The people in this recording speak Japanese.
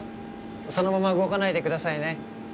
そのまま動かないでくださいね